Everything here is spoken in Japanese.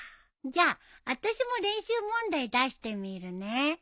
じゃああたしも練習問題出してみるね。